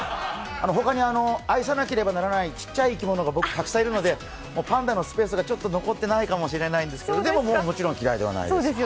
ほかに愛さなければならない小さい生き物が僕、たくさんいるのでパンダのスペースが残ってないかもしれないですけどでも、もちろん嫌いではないです。